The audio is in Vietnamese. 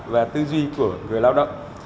và tư duy của người lao động